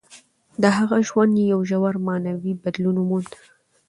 د هغه ژوند یو ژور معنوي بدلون وموند.